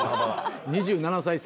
２７歳差。